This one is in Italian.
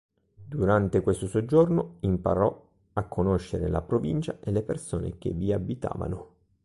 Durante questo soggiorno imparò a conoscere la provincia e le persone che vi abitavano.